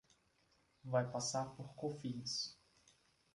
Vai passar por Cofins